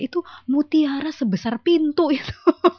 itu mutiara sebesar pintu itu